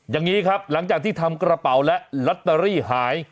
อย่างนี้ครับหลังจากที่ทำกระเป๋าและลอตเตอรี่หาย